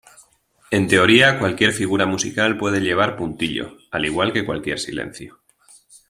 En teoría cualquier figura musical puede llevar puntillo, al igual que cualquier silencio.